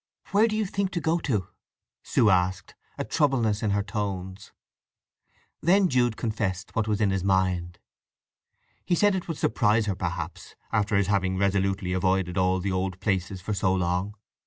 "Where do you think to go to?" Sue asked, a troublousness in her tones. Then Jude confessed what was in his mind. He said it would surprise her, perhaps, after his having resolutely avoided all the old places for so long.